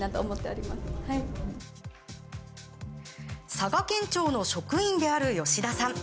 佐賀県庁の職員である吉田さん。